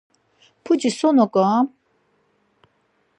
Puci so noǩoram?